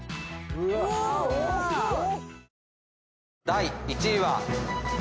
第１位は。